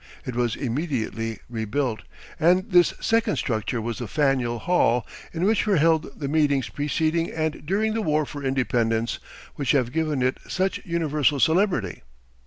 It was immediately rebuilt, and this second structure was the Faneuil Hall in which were held the meetings preceding and during the war for Independence, which have given it such universal celebrity.